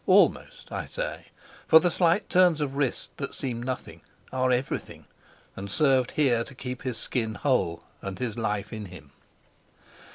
Almost, I say; for the slight turns of wrist that seem nothing are everything, and served here to keep his skin whole and his life in him.